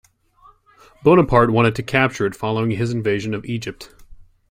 Bonaparte wanted to capture it following his invasion of Egypt.